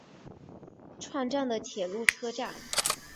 串站的铁路车站。